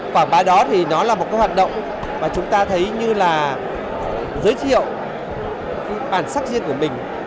quảng bá đó thì nó là một cái hoạt động mà chúng ta thấy như là giới thiệu bản sắc riêng của mình